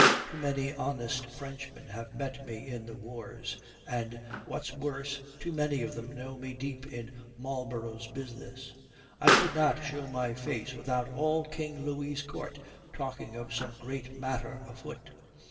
Too many honest Frenchmen have met me in the wars, and, what's worse, too many of them know me deep in Marlborough's business. I could not show my face without all King Louis's court talking of some great matter afoot.